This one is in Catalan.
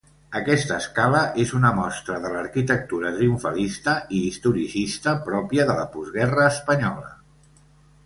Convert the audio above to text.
Aquesta escala és una mostra de l'arquitectura triomfalista i historicista pròpia de la Postguerra espanyola.